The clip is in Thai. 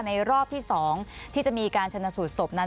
รอบที่๒ที่จะมีการชนะสูตรศพนั้น